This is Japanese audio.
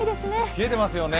冷えてますよね。